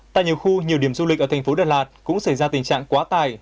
tại nhiều khu nhiều điểm du lịch ở thành phố đà lạt cũng xảy ra tình trạng quá tải